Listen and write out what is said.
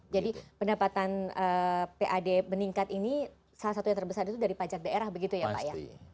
jadi pendapatan pad meningkat ini salah satu yang terbesar itu dari pajak daerah begitu ya pak